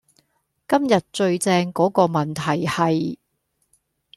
今日最正嗰個問題係